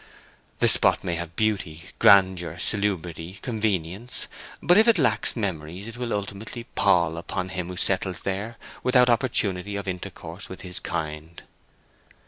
The spot may have beauty, grandeur, salubrity, convenience; but if it lack memories it will ultimately pall upon him who settles there without opportunity of intercourse with his kind.